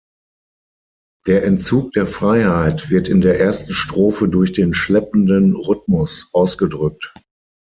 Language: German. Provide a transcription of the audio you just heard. Der Entzug der Freiheit wird in der ersten Strophe durch den schleppenden Rhythmus ausgedrückt.